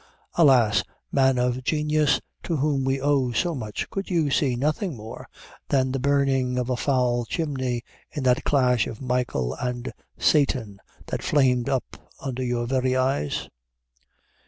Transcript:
Alas, man of genius, to whom we owe so much, could you see nothing more than the burning of a foul chimney in that clash of Michael and Satan which flamed up under your very eyes?